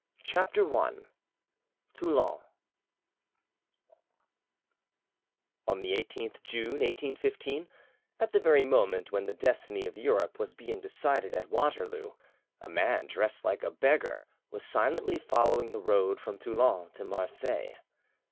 *MURAT—1815* I—TOULON On the 18th June, 1815, at the very moment when the destiny of Europe was being decided at Waterloo, a man dressed like a beggar was silently following the road from Toulon to Marseilles.